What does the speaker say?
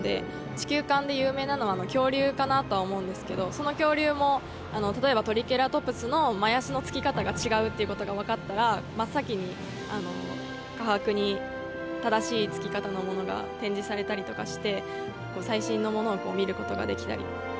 地球館で有名なのは恐竜かなとは思うんですけどその恐竜も例えばトリケラトプスの前脚のつき方が違うっていう事がわかったら真っ先に科博に正しいつき方のものが展示されたりとかして最新のものを見る事ができたり。